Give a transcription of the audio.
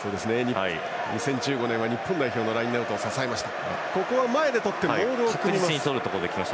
２０１５年は日本代表のラインアウトを支えました。